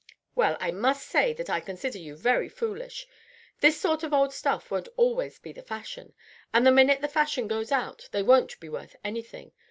"Well, I must say that I consider you very foolish. This sort of old stuff won't always be the fashion; and the minute the fashion goes out, they won't be worth anything.